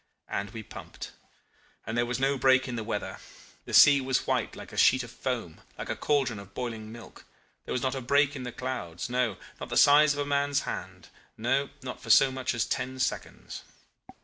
And we pumped. And there was no break in the weather. The sea was white like a sheet of foam, like a caldron of boiling milk; there was not a break in the clouds, no not the size of a man's hand no, not for so much as ten seconds.